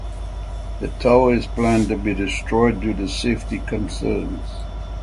The tower is planned to be destroyed due to safety concerns.